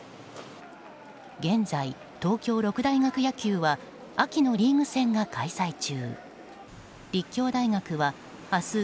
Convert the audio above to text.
現在、東京六大学野球は秋のリーグ戦が開催中。